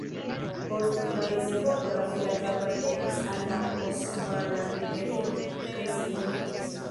Post la mezepoko la vilaĝo apartenis al la Osmana Imperio kaj senhomiĝis.